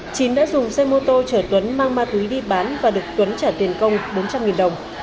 chín đã dùng xe mô tô chở tuấn mang ma túy đi bán và được tuấn trả tiền công bốn trăm linh đồng